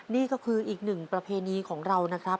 นี่ก็คืออีกหนึ่งประเพณีของเรานะครับ